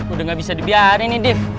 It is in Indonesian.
udah gak bisa dibiarkan nih div